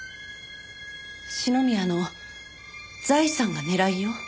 篠宮の財産が狙いよ。